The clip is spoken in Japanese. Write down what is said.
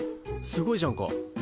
すごいじゃんか。